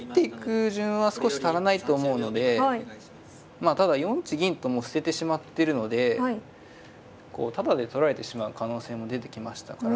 まあただ４一銀ともう捨ててしまってるのでこうタダで取られてしまう可能性も出てきましたから